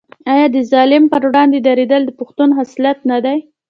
آیا د ظالم پر وړاندې دریدل د پښتون خصلت نه دی؟